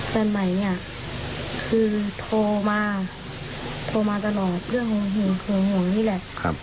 แฟนใหม่โทรมาตลอดเรื่องห่วงนี้แหละ